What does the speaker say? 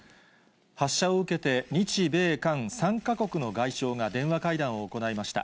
発射を受けて日米韓３か国の外相が電話会談を行いました。